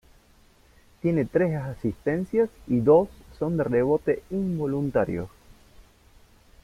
Tiene tres asistencias y dos son de rebote involuntario.